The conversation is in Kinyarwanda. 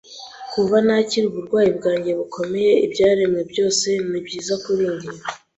Kuva nakira uburwayi bwanjye bukomeye, ibyaremwe byose ni byiza kuri njye.